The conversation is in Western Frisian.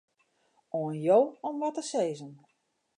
Oan jo om wat te sizzen.